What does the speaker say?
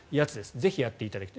ぜひやっていただきたい。